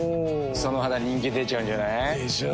その肌人気出ちゃうんじゃない？でしょう。